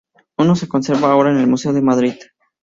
Uno se conserva ahora en el museo de Madrid.